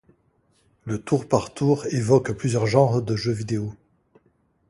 Le tour par tour évoque plusieurs genres de jeu vidéo.